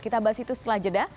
kita bahas itu setelah jeda